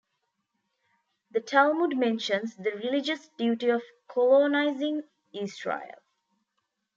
The Talmud mentions the religious duty of colonising Israel.